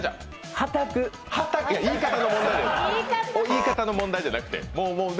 言い方の問題じゃなくて。